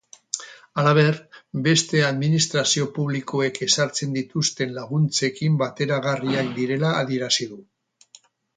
Halaber, beste administrazio publikoek ezartzen dituzten laguntzekin bateragarriak direla adierazi du.